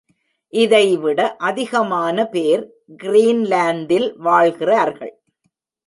இதைவிட அதிகமான பேர் கிரீன்லாந்தில் வாழ்கிறார்கள்.